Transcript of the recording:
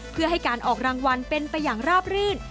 เพื่อให้การออกรางวัลเป็นไปอย่างราบรื่น